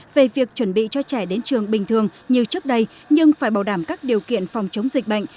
về việc chuẩn bị cho trẻ đến trường bình thường như trước đây nhưng phải bảo đảm các điều kiện phòng chống dịch bệnh